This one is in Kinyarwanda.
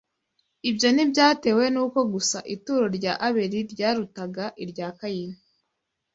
Ibyo ntibyatewe n’uko gusa ituro rya Abeli ryarutaga irya Kayini.